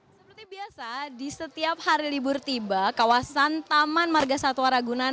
seperti biasa di setiap hari libur tiba kawasan taman marga satwa ragunan